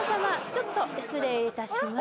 ちょっと失礼いたします。